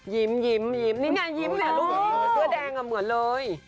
ยิ้มนี่น่ะยิ้มเหรอลูกชายเสื้อแดงเหมือนเลย